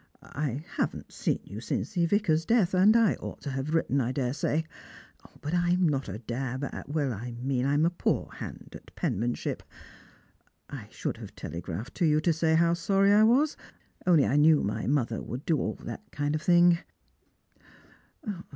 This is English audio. I — 1 haven't seen you since the Vicar's death, and I ought to have written, I dare say, but I'm not a dab — I mean, I'm a poor hand at penman ship. I should have telegraphed to you to say how sorry I was, only I knew my mother would do all that kind of thing."